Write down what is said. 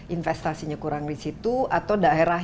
investasinya kurang disitu atau daerah